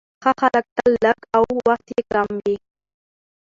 ښه خلک تل لږ او وخت يې کم وي،